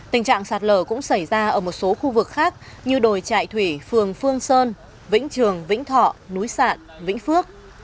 tình trạng sạt lở cũng xảy ra ở một số khu vực khác như đồi trại thủy phường phương sơn vĩnh trường vĩnh thọ núi sạn vĩnh phước